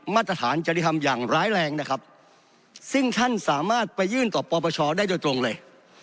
มาตรฐานจริธรรมอย่างร้ายแรงนะครับซึ่งท่านสามารถไปยื่นต่อปปชได้โดยตรงเลย